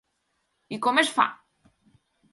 I com es fa?